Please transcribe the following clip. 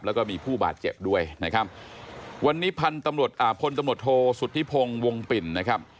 แล้วก็มีผู้บาดเจ็บด้วยนะครับวันนี้พันธุ์ตำรวจอ่าพลตำรวจโทษสุธิพงศ์วงปิ่นนะครับ